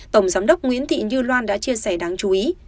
tổng giám đốc nguyễn thị như loan đã chia sẻ đáng chú ý